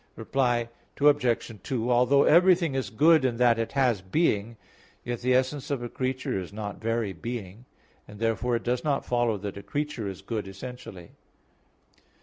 Reply Obj. 2: Although everything is good in that it has being, yet the essence of a creature is not very being; and therefore it does not follow that a creature is good essentially.